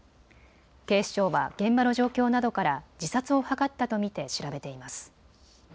警視庁は現場の状況などから自殺を図ったと見て調べています。